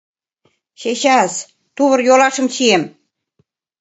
— Чечас, тувыр-йолашым чием!